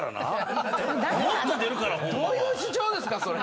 どういう主張ですか⁉それ。